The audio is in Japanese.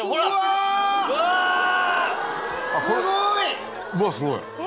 うわすごい。